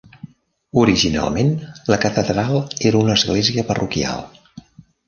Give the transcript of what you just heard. Originalment, la catedral era una església parroquial.